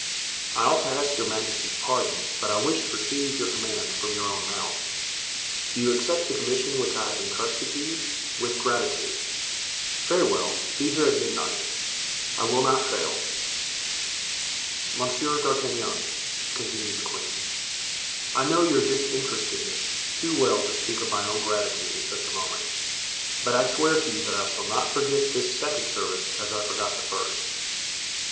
"I ought to ask your majesty's pardon, but I wished to receive your commands from your own mouth." "Do you accept the commission which I have intrusted to you?" "With gratitude." "Very well, be here at midnight." "I will not fail." "Monsieur d'Artagnan," continued the queen, "I know your disinterestedness too well to speak of my own gratitude at such a moment, but I swear to you that I shall not forget this second service as I forgot the first."